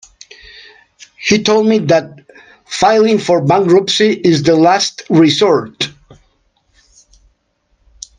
He told me that filing for bankruptcy is the last resort.